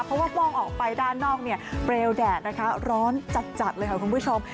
เพราะว่ามองออกไปด้านนอกเนี่ยเปลวแดดนะคะร้อนจัดเลยค่ะคุณผู้ชม